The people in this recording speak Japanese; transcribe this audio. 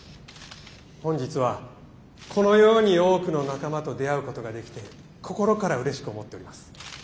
本日はこのように多くの仲間と出会うことができて心からうれしく思っております。